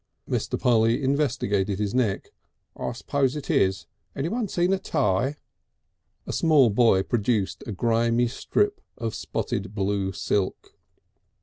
Mr. Polly investigated his neck. "I suppose it is. Anyone seen a tie?" A small boy produced a grimy strip of spotted blue silk.